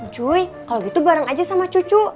cuy kalau gitu bareng aja sama cucu